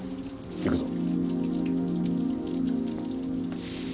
行くぞ。